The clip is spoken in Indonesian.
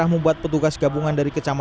nah itu lima liternya langsung dibayar